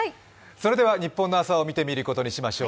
それではニッポンの朝を見てみることにしましょう。